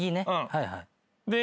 はいはい。